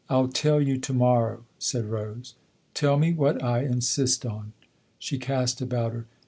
" I'll tell you to morrow," said Rose. " Tell me what I insist on ?" She cast about her.